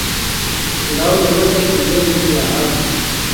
کِلاٶ زکہ گلے تُو وے ملی یا ہا ملی